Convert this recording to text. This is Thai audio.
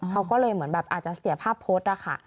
เขาก็เลยเหมือนแบบอาจจะเสียภาพโพสต์นะคะ